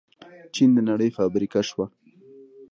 چین د نړۍ فابریکه شوه.